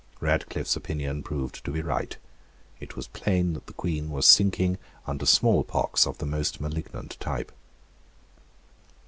Radcliffe's opinion proved to be right. It was plain that the Queen was sinking under small pox of the most malignant type.